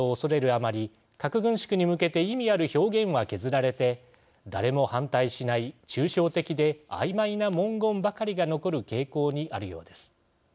あまり核軍縮に向けて意味ある表現は削られて誰も反対しない抽象的であいまいな文言ばかりが残る傾向にあるようです。